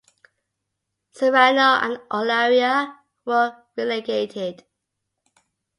Serrano and Olaria were relegated.